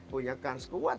punya kar sekuat